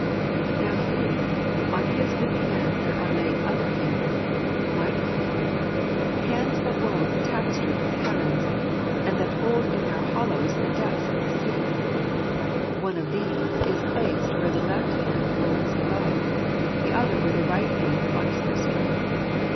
But now see, on his weak hands there are laid other hands, mighty hands, hands that wove the tapestry of t66 Secret of JStangtfr. the heavens, and that hold in their hollows the depths of the seas : one of these is placed where the left hand holds the bow; the other where the right hand plucks the string.